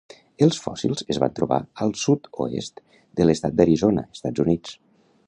Els fòssils es van trobar al sud-oest de l'estat d'Arizona, Estats Units.